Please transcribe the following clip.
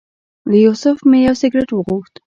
له یوسف مې یو سګرټ وغوښت.